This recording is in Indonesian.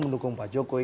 mendukung pak jokowi